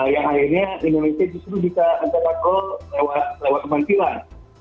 yang akhirnya indonesia justru bisa mencetak gol lewat kemancilan